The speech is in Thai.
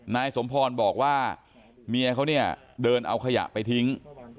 นายสมพรบอกว่าเมียเขาเนี่ยเดินเอาขยะไปทิ้ง